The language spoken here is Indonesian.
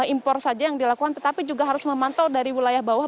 impor saja yang dilakukan tetapi juga harus memantau dari wilayah bawah